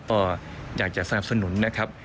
ก็อยากจะสนับสนุนนะครับ